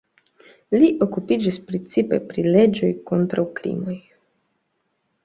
Li okupiĝis precipe pri leĝoj kontraŭ krimoj.